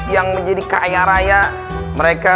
yang menjadi kaya raya